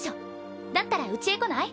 だったらうちへ来ない？